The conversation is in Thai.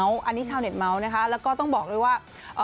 อันนี้ชาวเน็ตเมาส์นะคะแล้วก็ต้องบอกเลยว่า